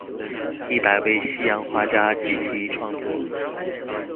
一百位西洋畫家及其創作